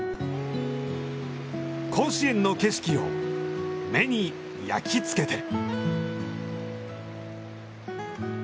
甲子園の景色を目に焼きつけて。